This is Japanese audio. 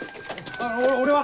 あの俺は？